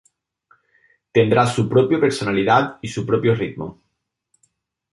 Tendrá su propia personalidad y su propio ritmo.